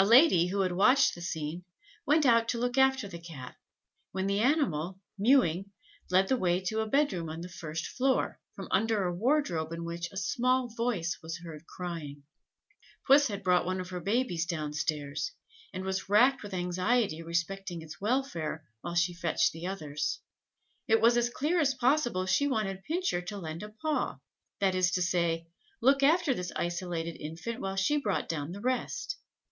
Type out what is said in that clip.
A lady, who had watched this scene, went out to look after the Cat, when the animal, mewing, led the way to a bed room on the first floor, from under a wardrobe in which a small voice was heard crying. Puss had brought one of her babies down stairs, and was racked with anxiety respecting its welfare while she fetched the others. It was as clear as possible she wanted Pincher to lend a paw that is to say, look after this isolated infant while she brought down the rest.